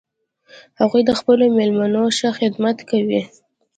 هغوی د خپلو میلمنو ښه خدمت کوي